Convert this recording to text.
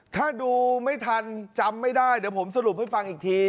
ถ้าดูไม่ทันจำไม่ได้เดี๋ยวผมสรุปให้ฟังอีกที